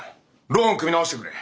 ローン組み直してくれ！